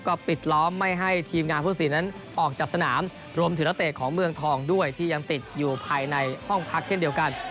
ก็ปิดล้อมไม่ให้ทีมงานผู้สินนั้นออกจากสนามรวมถึงนักเตะของเมืองทองด้วยที่ยังติดอยู่ภายในห้องพักเช่นเดียวกัน